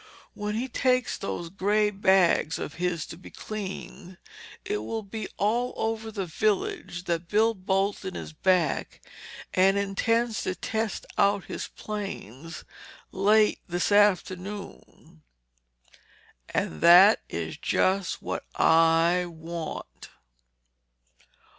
When he takes those gray bags of his to be cleaned, it will be all over the village that Bill Bolton is back and intends to test out his planes late this afternoon.—And that is just what I want."